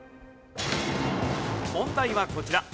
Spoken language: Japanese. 問題はこちら。